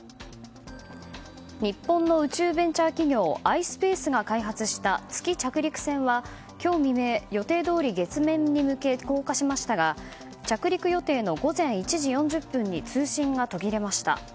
日本の宇宙ベンチャー企業ｉｓｐａｃｅが開発した月着陸船は今日未明予定どおり月面に向け降下しましたが着陸予定の午前１時４０分に通信が途切れました。